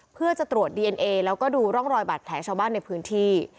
เพื่อจะตรวจดีเอนเอแล้วก็ดูร่องรอยบาดแผลชาวบ้านในพื้นที่